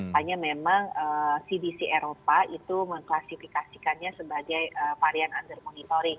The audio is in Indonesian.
hanya memang cdc eropa itu mengklasifikasikannya sebagai varian under monitoring